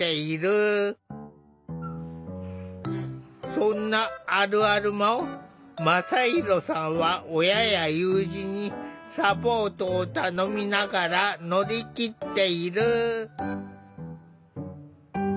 そんなあるあるも真大さんは親や友人にサポートを頼みながら乗り切っている。